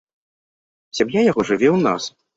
Сям'я яго жыве ў нас.